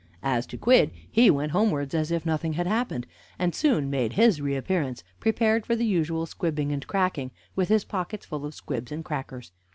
As to Quidd, he went homewards, as if nothing had happened, and soon made his reappearance, prepared for the usual squibbing and cracking, with his pockets full of squibs and crackers.